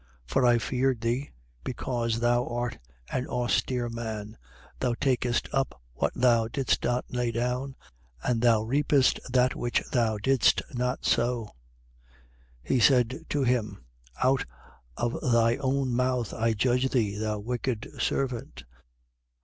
19:21. For I feared thee, because thou art an austere man: thou takest up what thou didst not lay down: and thou reapest that which thou didst not sow. 19:22. He saith to him: Out of thy own mouth I judge thee, thou wicked servant.